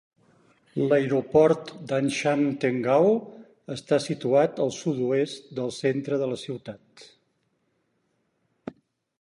L'aeroport d'Anshan Teng'ao està situat al sud-oest del centre de la ciutat.